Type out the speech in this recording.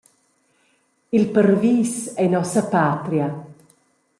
Il parvis ei nossa patria.